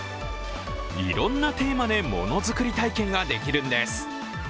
いろんなテーマで、ものづくり体験ができるんです。